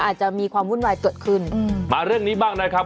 อาจจะมีความวุ่นวายเกิดขึ้นอืมมาเรื่องนี้บ้างนะครับ